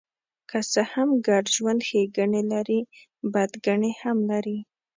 که څه هم ګډ ژوند ښېګڼې لري، بدګڼې هم لري.